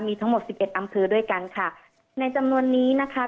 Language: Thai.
มีทั้งหมดสิบเอ็ดอำเภอด้วยกันค่ะในจำนวนนี้นะคะ